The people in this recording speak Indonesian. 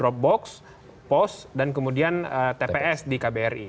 dropbox pos dan kemudian tps di kbri